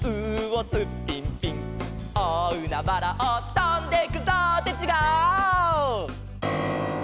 「おおうなばらをとんでくぞ」ってちがう！